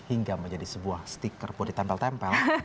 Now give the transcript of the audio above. hingga menjadi sebuah stiker buat ditempel tempel